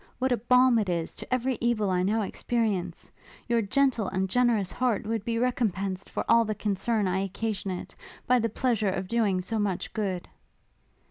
what a balm it is to every evil I now experience, your gentle and generous heart would be recompensed for all the concern I occasion it, by the pleasure of doing so much good!'